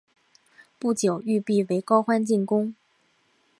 不久玉壁为高欢进攻。